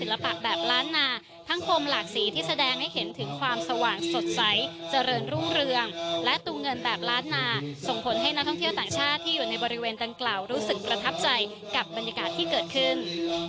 และมีความรู้สึกประทับใจกับบรรยากาศที่เกิดขึ้น